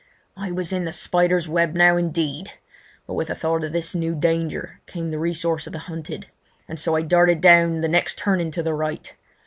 I was in the spider's web now indeed! But with the thought of this new danger came the resource of the hunted, and so I darted down the next turning to the right.